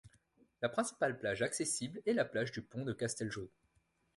La principale plage accessible est la plage du pont de Casteljau.